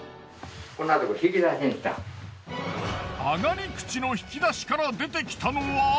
上がり口の引き出しから出てきたのは。